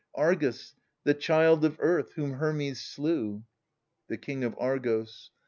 Argus, the child of Earth, whom Hermes slew. f The King of Argos.